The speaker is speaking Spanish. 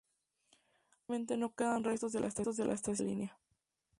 Actualmente no quedan restos de la estación ni de la línea.